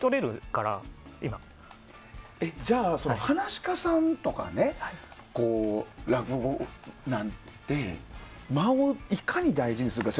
じゃあ、噺家さんとか落語なんて間をいかに大事にするか。